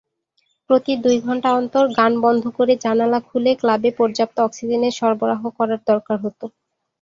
প্রতি দুই ঘণ্টা অন্তর গান বন্ধ করে জানালা খুলে ক্লাবে পর্যাপ্ত অক্সিজেনের সরবরাহ করার দরকার হতো।